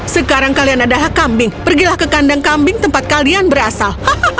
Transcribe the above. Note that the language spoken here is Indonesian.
sekarang kalian adalah kambing pergilah ke kandang kambing tempat kalian berasal